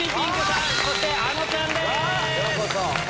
ようこそ！